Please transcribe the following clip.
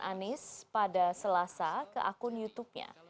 anies pada selasa ke akun youtubenya